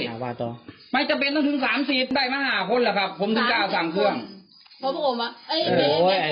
น่าว่าตรง